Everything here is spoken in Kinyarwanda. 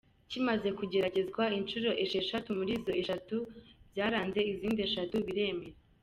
Kimaze kugeragezwa inshuro esheshatu, muri zo eshatu byaranze izindi eshatu biremera.